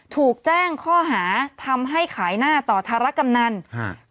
ถูกแจ้งข้อหาทำให้ขายหน้าต่อธารกำนันฮะ